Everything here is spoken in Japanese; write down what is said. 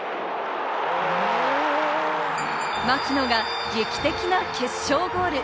槙野が劇的な決勝ゴール。